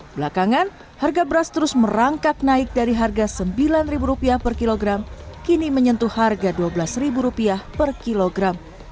belakangan harga beras terus merangkak naik dari harga rp sembilan per kilogram kini menyentuh harga rp dua belas per kilogram